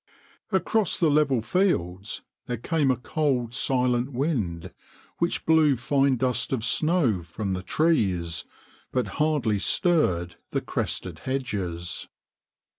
Across the level fields there came a cold, silent wind which blew fine dust of snow from the trees, but hardly stirred the crested hedges.